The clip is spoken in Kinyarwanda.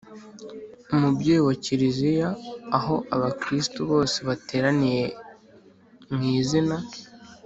umubyeyi wa kiliziya ». aho abakristu bose bateraniye mu izina